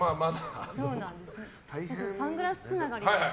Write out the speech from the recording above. サングラスつながりで。